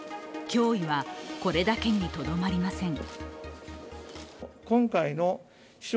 脅威はこれだけにとどまりません。